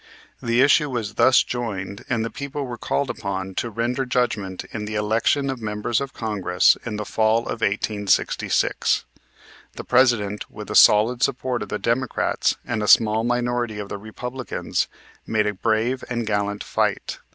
The issue was thus joined and the people were called upon to render judgment in the election of members of Congress in the fall of 1866. The President, with the solid support of the Democrats and a small minority of the Republicans, made a brave and gallant fight.